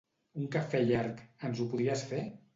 Un cafè llarg, ens ho podries fer?